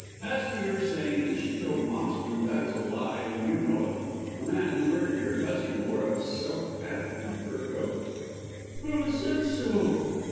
As to your saying that she killed Moxton, that is a lie, and you know it. The man who murdered your cousin wore a silk hat and fur coat." "Who says so?"